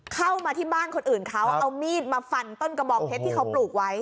เข้ามาที่บ้านคนอื่นเขาเอามีดมาฟันต้นกระบองเพชรที่เขาปลูกไว้